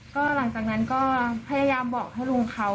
ก็หลังจากนั้นก็พยายามบอกให้ลุงเขา